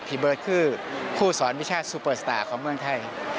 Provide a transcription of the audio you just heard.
เบิร์ตคือผู้สอนวิชาติซูเปอร์สตาร์ของเมืองไทย